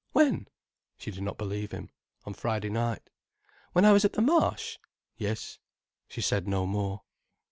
"When?" She did not believe him. "On Friday night." "When I was at the Marsh?" "Yes." She said no more.